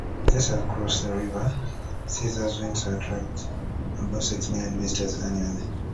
Just across the river, Caesars Windsor attracts about six million visitors annually.